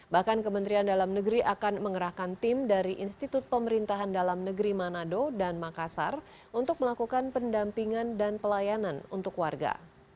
bahkan kementerian dalam negeri akan mengerahkan tim dari institut pemerintahan dalam negeri manado dan makassar untuk melakukan pendampingan dan pelayanan untuk warga